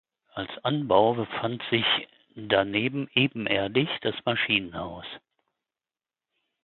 Als Anbau befand sich daneben ebenerdig das Maschinenhaus.